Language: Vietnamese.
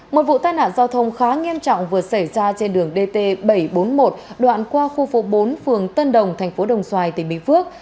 một vụ tai nạn giao thông khá nghiêm trọng vừa xảy ra trên đường dt bảy trăm bốn mươi một đoạn qua khu phố bốn phường tân đồng thành phố đồng xoài tỉnh bình phước